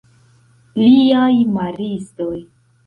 Liaj maristoj!